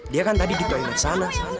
dia kan tadi di toilet sana